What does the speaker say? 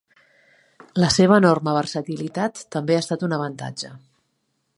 La seva enorme versatilitat també ha estat un avantatge.